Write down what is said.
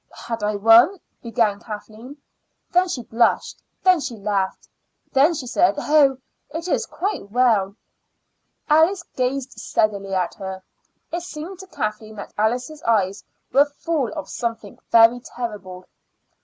"Had I one?" began Kathleen. Then she blushed; then she laughed; then she said, "Oh, it's quite well." Alice gazed steadily at her. It seemed to Kathleen that Alice's eyes were full of something very terrible.